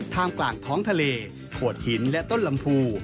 ท่ามกลางท้องทะเลโขดหินและต้นลำพู